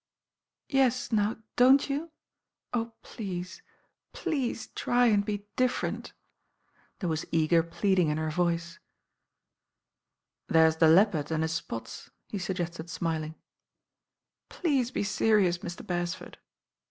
"Yes, now, don't you? Oh, please, please try and be different." There was eager pleading in her voice. "There's the leopard and his spots," he suggested smiling. "Please be serious, Mr. Bercsford."